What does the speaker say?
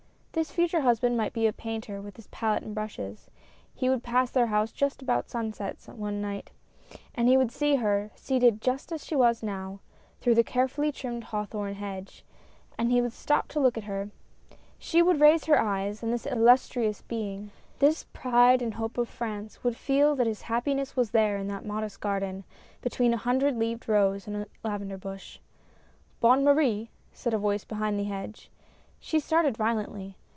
This future husband might be a painter with his palette and brushes; he would pass their house just about sunset some night, and he would see her seated just as she was now, through the carefully trimmed hawthorn hedge, and would stop to look at her; she would raise her eyes, and this illustrious being — this pride and hope of France — would feel that his happiness was there in that modest garden, between a hundred leaved rose and a lavender bush —" Bonne Marie !" said a voice behind the hedge. She started violently.